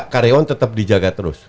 karyawan tetap dijaga terus